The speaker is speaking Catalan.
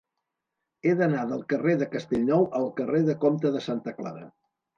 He d'anar del carrer de Castellnou al carrer del Comte de Santa Clara.